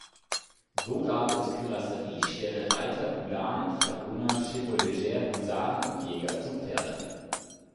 So gab es Kürassiere, Schwere Reiter, Ulanen, Dragoner, Chevaulegers, Husaren und Jäger zu Pferde.